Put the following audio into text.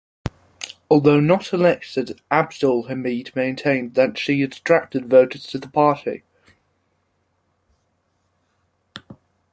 Although not elected, Abdol-Hamid maintained that she had attracted voters to the party.